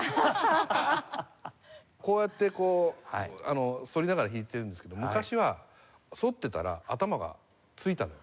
こうやってこう反りながら弾いてるんですけど昔は反ってたら頭が着いたのよ。